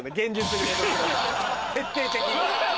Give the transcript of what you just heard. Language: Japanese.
徹底的に。